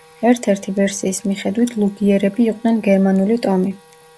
ერთ-ერთი ვერსიის მიხედვით, ლუგიერები იყვნენ გერმანული ტომი.